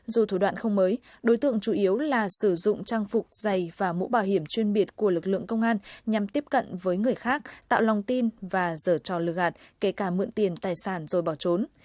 dù thủ đoạn không mới đối tượng chủ yếu là sử dụng trang phục giày và mũ bảo hiểm chuyên biệt của lực lượng công an nhằm tiếp cận với người khác tạo lòng tin và dở trò lừa gạt kể cả mượn tiền tài sản rồi bỏ trốn